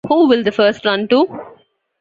Who Will the First Run To?